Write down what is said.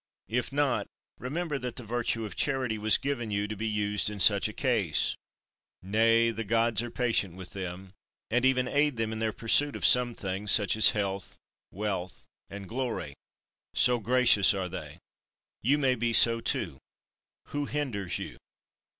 If not, remember that the virtue of charity was given you to be used in such a case. Nay, the Gods are patient with them, and even aid them in their pursuit of some things such as health, wealth, and glory, so gracious are they! You may be so too. Who hinders you?